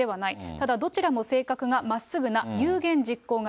ただ、どちらも性格がまっすぐな有言実行型。